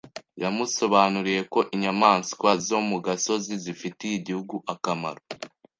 Yamusobanuriye ko inyamanswa zo mu gasozi zifitiye igihugu akamaro.